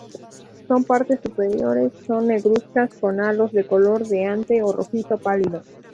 Las partes superiores son negruzcas con halos de color de ante o rojizo pálido.